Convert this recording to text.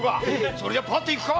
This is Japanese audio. それじゃパッといくか！